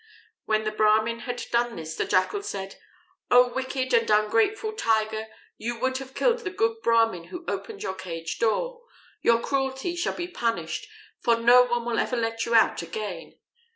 When the Brahmin had done this, the Jackal said: "O wicked and ungrateful Tiger, you would have killed the good Brahmin who opened your cage door. Your cruelty shall be punished, for no one will ever let you out again.